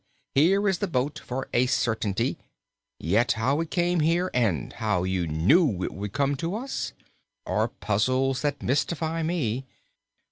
Here is the boat, for a certainty, yet how it came here and how you knew it would come to us are puzzles that mystify me.